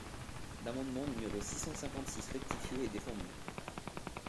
L’amendement numéro six cent cinquante-six rectifié est défendu.